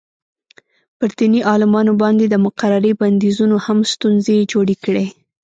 پر دیني عالمانو باندې د مقررې بندیزونو هم ستونزې جوړې کړې.